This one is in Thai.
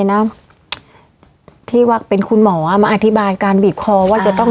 นะที่ว่าเป็นคุณหมอมาอธิบายการบีบคอว่าจะต้อง